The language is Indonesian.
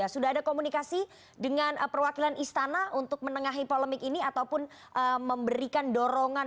sudah ada komunikasi dengan perwakilan istana untuk menengahi polemik ini ataupun memberikan dorongan